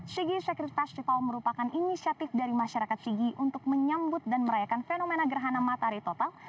sigi secret festival merupakan inisiatif dari masyarakat sigi untuk menyambut dan merayakan fenomena gerhana matahari total